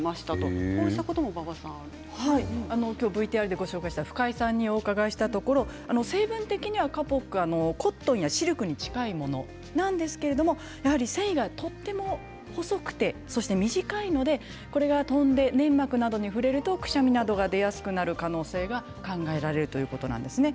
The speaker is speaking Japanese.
ＶＴＲでご紹介した深井さんにお伺いしたところ成分的にはカポック、コットンやシルクに近いものなんですけれどもやはり繊維がとても細くてそして短いのでこれが飛んで粘膜などに触れるとくしゃみなどが出やすくなる可能性が考えられるということです。